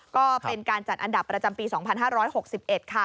ก็เป็นการจัดอันดับประจำปี๒๕๖๑ค่ะ